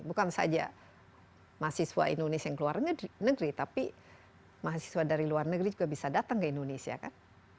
bukan saja mahasiswa indonesia yang keluar negeri tapi mahasiswa dari luar negeri juga bisa datang ke indonesia kan